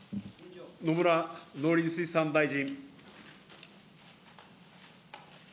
野村農林水産大臣。